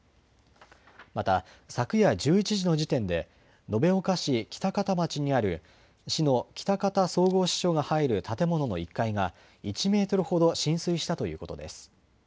また昨夜１１時の時点で延岡市北方町にある市の北方総合支所が入る建物の１階が１メートルほど浸水したということです。